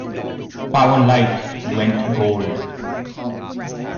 "Powerlight" went Gold.